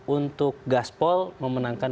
untuk gaspol memenangkan